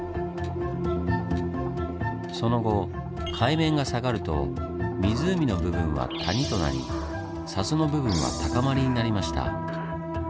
その後海面が下がると湖の部分は谷となり砂州の部分は高まりになりました。